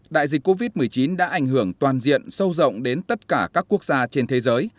đại dịch covid một mươi chín đã ảnh hưởng toàn diện sâu rộng đến tất cả các quốc gia trên thế giới